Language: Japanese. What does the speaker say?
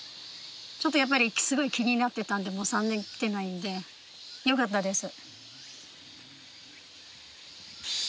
ちょっとやっぱりすごい気になってたんでもう３年来てないんでよかったです